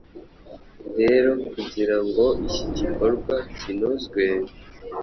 Rero kugira ngo iki gikorwa kinozwe,